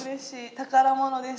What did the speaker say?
宝物です。